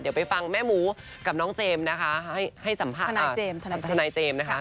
เดี๋ยวไปฟังแม่หมูกับน้องเจมส์นะคะให้สัมภาษณ์ทนายเจมส์นะคะ